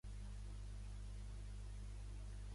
Foto dels estudiants de Cazorla.